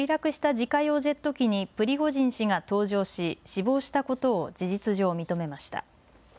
自家用ジェット機にプリゴジン氏が搭乗し死亡したことを事実上、認めました。